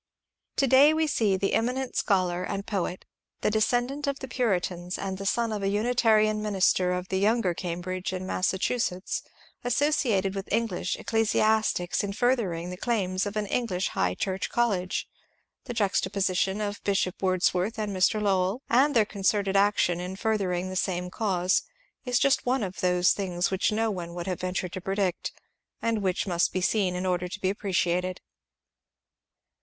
To day we see the eminent scholar and poet, the descend ant of the Puritans and the son of a Unitarian minister of the younger Cambridge, in Massachusetts, associated with THE CHURCH OF HUMANITY 379 English ecclesiastics in furthering the claims of an English High Church college. The juxtaposition of Bishop Words worth and Mr. Lowell, and their concerted action in further ing the same cause, is just one of those things which no one would have ventured to predict, and which must be seen in order to be appreciated.